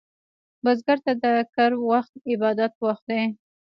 بزګر ته د کر وخت عبادت وخت دی